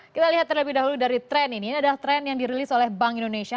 kita lihat terlebih dahulu dari tren ini ini adalah tren yang dirilis oleh bank indonesia